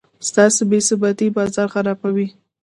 سیاسي بې ثباتي بازار خرابوي.